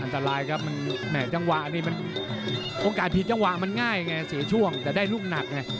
อันตรายครับมันแห่จังหวะนี้มันโอกาสผิดจังหวะมันง่ายไงเสียช่วงแต่ได้ลูกหนักไง